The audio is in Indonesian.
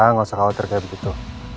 nggak usah khawatir kayak begitu